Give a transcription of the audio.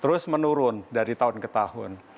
terus menurun dari tahun ke tahun